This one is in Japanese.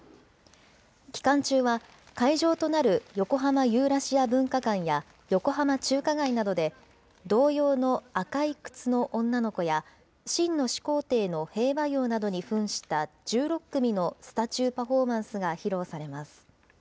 期間中は会場となる横浜ユーラシア文化館や、横浜中華街などで、童謡の赤い靴の女の子や、秦の始皇帝の兵馬俑などにふんした１６組のスタチュー・パフォーマンスが披露されます。